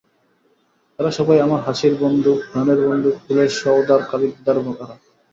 এরা সবাই আমার হাসির বন্ধু, গানের বন্ধু, ফুলের সওদার খরিদ্দার এরা।